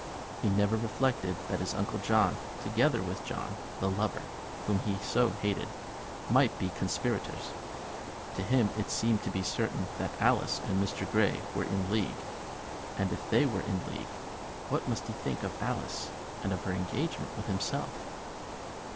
He never reflected that his uncle John, together with John, the lover, whom he so hated, might be the conspirators. To him it seemed to be certain that Alice and Mr. Grey were in league; and if they were in league, what must he think of Alice, and of her engagement with himself!